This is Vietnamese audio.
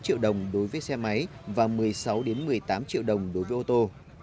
hai triệu đồng đối với xe máy và một mươi sáu một mươi tám triệu đồng đối với ô tô